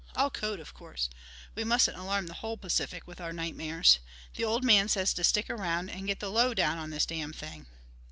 All code, of course; we mustn't alarm the whole Pacific with our nightmares. The old man says to stick around and get the low down on this damn thing."